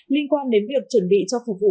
liên quan đến việc chuẩn bị cho phục vụ